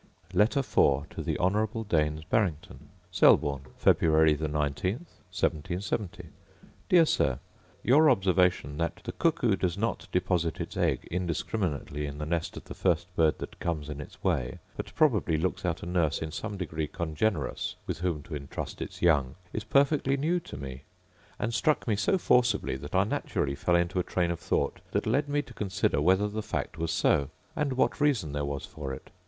Letter IV To The Honourable Daines Barrington Selborne, Feb. 19, 1770. Dear Sir, Your observation that 'the cuckoo does not deposit its egg indiscriminately in the nest of the first bird that comes in its way, but probably looks out a nurse in some degree congenerous, with whom to intrust its young,' is perfectly new to me; and struck me so forcibly, that I naturally fell into a train of thought that led me to consider whether the fact was so, and what reason there was for it.